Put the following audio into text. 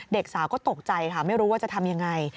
เด็กสาวก็ตกใจค่ะไม่รู้ว่าจะทำยังไง